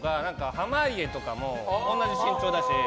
濱家とかも同じ身長だし。